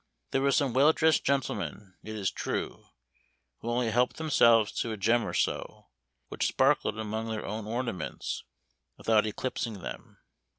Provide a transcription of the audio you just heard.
There were some well dressed gentlemen, it is true, who only helped themselves to a gem or so, which sparkled among their own ornaments, without eclipsing them.